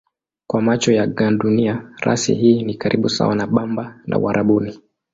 Kwa macho ya gandunia rasi hii ni karibu sawa na bamba la Uarabuni.